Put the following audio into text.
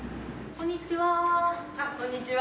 こんにちは。